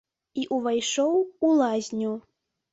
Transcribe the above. І ўвайшоў у лазню.